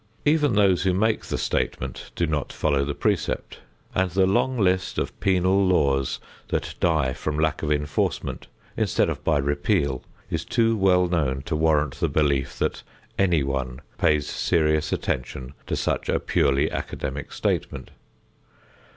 Even those who make the statement do not follow the precept, and the long list of penal laws that die from lack of enforcement instead of by repeal is too well known to warrant the belief that anyone pays serious attention to such a purely academic statement.